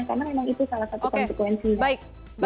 karena memang itu salah satu konsekuensinya